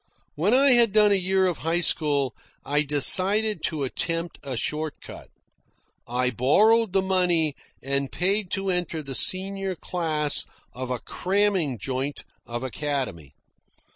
When I had done a year of high school, I decided to attempt a short cut. I borrowed the money and paid to enter the senior class of a "cramming joint" or academy.